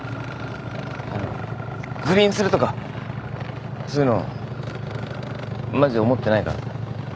あの不倫するとかそういうのマジで思ってないからさ。